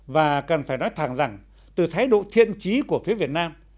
và cần phải nói thẳng rằng từ thái độ thiện trí của phía việt nam